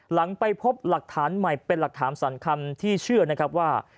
หลังไปพบลักฐานใหม่เป็นลักฐานสัญคำที่เชื่อว่า